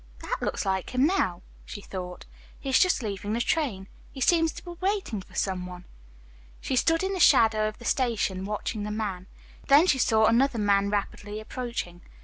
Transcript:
"That looks like him now," she thought. "He is just leaving the train. He seems to be waiting for some one." She stood in the shadow of the station watching the man. Then she saw another man rapidly approaching.